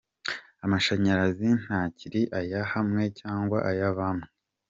Amashanyarazi ntakiri aya hamwe cyangwa aya bamwe.